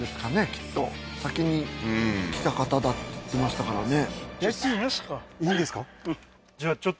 きっと先に来た方だって言ってましたからね